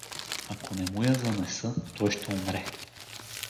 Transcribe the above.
Ако не му я занеса, той ще умре.